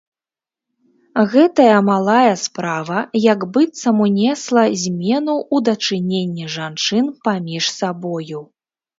Гэтая малая справа як быццам унесла змену ў дачыненні жанчын паміж сабою.